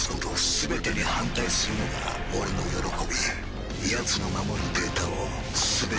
全てに反対するのが俺の喜びやつの守るデータを全て奪うのだ！